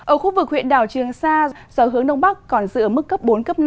ở khu vực huyện đảo trường sa dò hướng đông bắc còn dựa mức cấp bốn năm